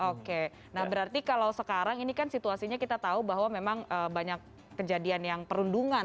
oke nah berarti kalau sekarang ini kan situasinya kita tahu bahwa memang banyak kejadian yang perundungan